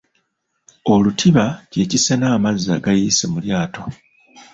Olutiba kye kisena amazzi agayiise mu lyato.